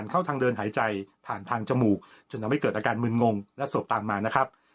การมึงงและสลบตามมานะครับ